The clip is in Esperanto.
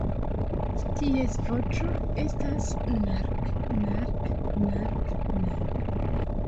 Ties voĉo estas ""nark-nark-nark-nark"".